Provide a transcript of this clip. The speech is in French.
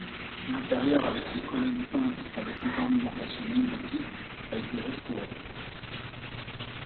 L'intérieur avec ses colonnes peintes, avec des ornementations néogothiques, a été restauré.